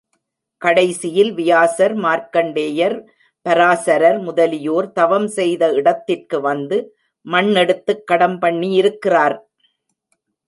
கடைசியில் வியாசர், மார்க்கண்டேயர், பராசரர் முதலியோர் தவம் செய்த இடத்திற்கு வந்து மண் எடுத்துக் கடம் பண்ணியிருக்கிக்கிறார்.